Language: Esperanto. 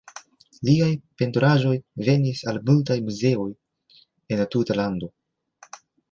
Liaj pentraĵoj venis al multaj muzeoj en la tuta lando.